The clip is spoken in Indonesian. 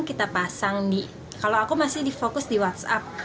kita pasang di kalau aku masih di fokus di whatsapp